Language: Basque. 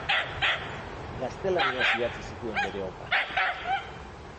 Gaztelaniaz idatzi zituen bere obrak.